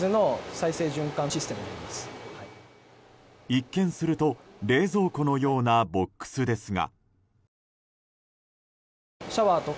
一見すると冷蔵庫のようなボックスですが。